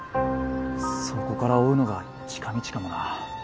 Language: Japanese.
そこから追うのが近道かもな。